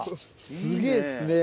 すげぇっすね！